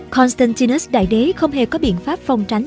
constantinus đại đế không hề có biện pháp phòng tránh